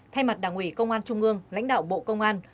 thay mặt đảng ủy công an trung ương lãnh đạo bộ công an